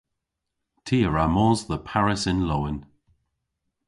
Ty a wra mos dhe Paris yn lowen!